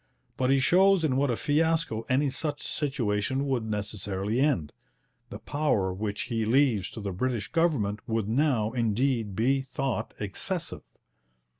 But he shows in what a fiasco any such situation would necessarily end. The powers which he leaves to the British government would now, indeed, be thought excessive.